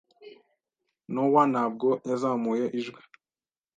Nowa ntabwo yazamuye ijwi.